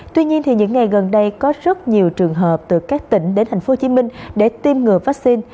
tuy nhiên những ngày gần đây có rất nhiều trường hợp từ các tỉnh đến tp hcm để tiêm ngừa vaccine